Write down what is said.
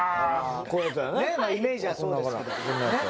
イメージはそうですけど。